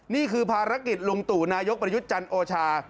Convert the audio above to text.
นี่คือภารกิจลุงตู่นายกประยุทธ์จันทร์โอชา